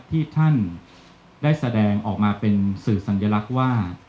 ที่ท่านได้แสดงออกมาเป็นสื่อสัญลักษณ์ว่า